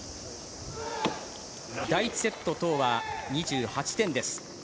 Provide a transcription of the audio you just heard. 第１セット、トウは２８点です。